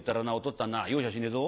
っつぁんな容赦しねえぞ。